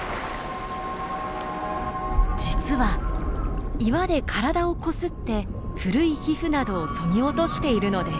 実は岩で体をこすって古い皮膚などをそぎ落としているのです。